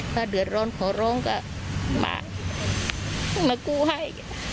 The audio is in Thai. ถ้าเดือดร้องขอโรงก็มากู้ให้